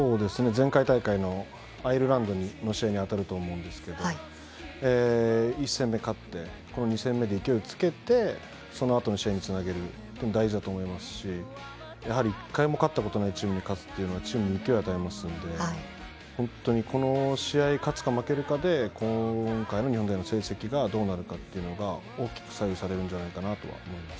前回大会のアイルランドの試合にあたると思うんですが１戦目で勝ってこの２戦目で勢いをつけてそのあとの試合につなげることが大事だと思いますしやはり１回も勝ったことないチームに勝つっていうのはチームに勢いを与えますので本当にこの試合に勝つか負けるかで今回の日本の成績がどうなるかというのが大きく左右されるんじゃないかと思います。